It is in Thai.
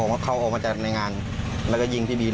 เมาไหม